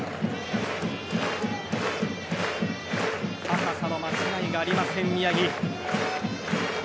高さの間違いがありません、宮城。